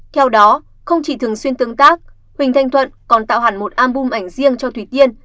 theo đó không chỉ thường xuyên tương tác huỳnh thanh thuận còn tạo hẳn một album ảnh riêng cho thủy tiên